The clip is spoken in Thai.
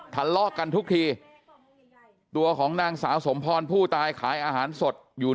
ทะเลาะกันทุกทีตัวของนางสาวสมพรผู้ตายขายอาหารสดอยู่